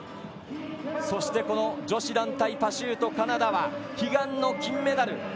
そして、この女子団体パシュートカナダは、悲願の金メダル。